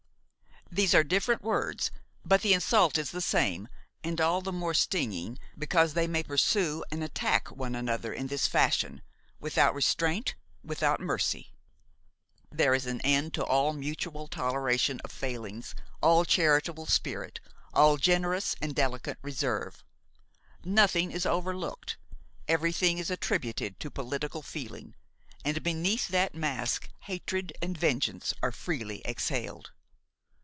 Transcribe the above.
These are different words, but the insult is the same, and all the more stinging because they may pursue and attack one another in this fashion without restraint, without mercy. There is an end to all mutual toleration of failings, all charitable spirit, all generous and delicate reserve; nothing is overlooked, everything is attributed to political feeling, and beneath that mask hatred and vengeance are freely exhaled.